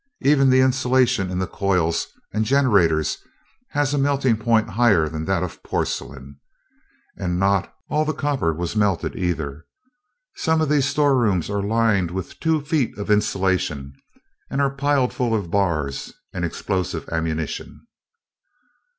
Even the insulation in the coils and generators has a melting point higher than that of porcelain. And not all the copper was melted, either. Some of these storerooms are lined with two feet of insulation and are piled full of bars and explosive ammunition."